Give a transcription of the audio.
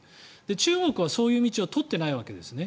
中国はそういう道を取っていないわけですね。